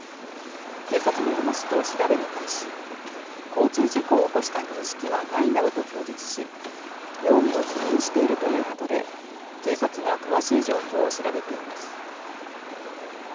警察によりますと調べに対し交通事故を起こした認識はないなどと供述し容疑を否認しているということで警察が詳しい状況を調べています。